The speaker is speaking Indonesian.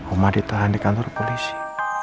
oma ditahan di kantor polisi